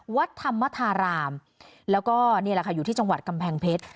วัดธรรมธารามแล้วก็นี่แหละค่ะอยู่ที่จังหวัดกำแพงเพชร